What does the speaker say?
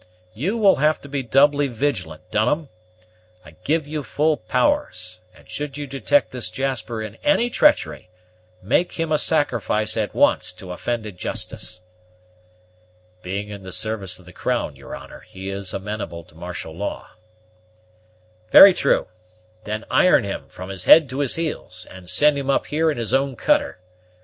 You will have to be doubly vigilant, Dunham. I give you full powers; and should you detect this Jasper in any treachery, make him a sacrifice at once to offended justice." "Being in the service of the crown, your honor, he is amenable to martial law." "Very true; then iron him, from his head to his heels, and send him up here in his own cutter.